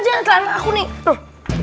terjadi oke oke yuk tunggu dulu